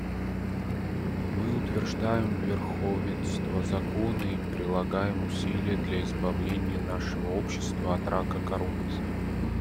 Мы утверждаем верховенство закона и прилагаем усилия для избавления нашего общества от рака коррупции.